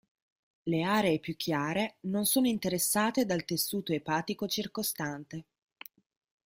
Le aree più chiare non sono interessate dal tessuto epatico circostante.